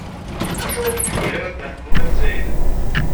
Acuɣeṛ ur k-yebɣi ara da Ḥemmu n At Sɛid?